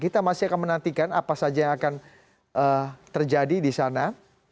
kita masih akan menantikan apa saja yang akan terjadi di sana